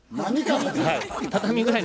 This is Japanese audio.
はい。